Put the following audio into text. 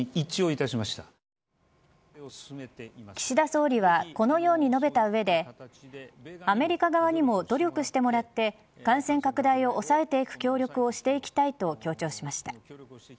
岸田総理はこのように述べた上でアメリカ側にも努力してもらって感染拡大を抑えていく協力をしていきたいと強調しました。